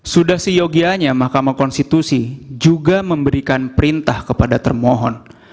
sudah seyogianya mahkamah konstitusi juga memberikan perintah kepada termohon